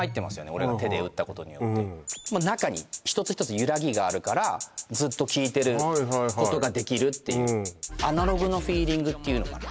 俺が手で打ったことによってまあ中に一つ一つゆらぎがあるからずっと聴いてることができるっていうアナログのフィーリングっていうのかな